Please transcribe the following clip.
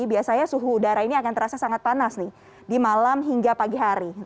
biasanya suhu udara ini akan terasa sangat panas nih di malam hingga pagi hari